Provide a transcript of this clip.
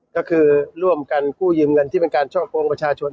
ก็คือร่วมกันกู้ยืมเงินที่เป็นการช่อกงประชาชน